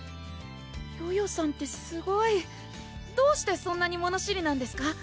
ヨヨさんってすごいどうしてそんなに物知りなんですか？